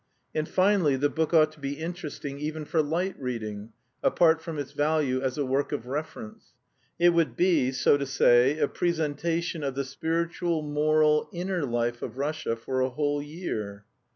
And finally the book ought to be interesting even for light reading, apart from its value as a work of reference. It would be, so to say, a presentation of the spiritual, moral, inner life of Russia for a whole year.